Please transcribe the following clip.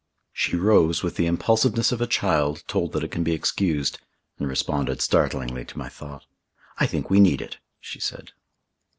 She rose with the impulsiveness of a child told that it can be excused, and responded startlingly to my thought. "I think we need it," she said.